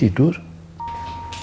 yang tadi kamu thumpin kan